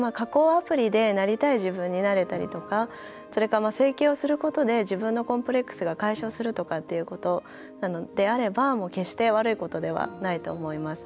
加工アプリでなりたい自分になれたりだとかそれか、整形をすることで自分のコンプレックスが解消するということであれば決して悪いことではないと思います。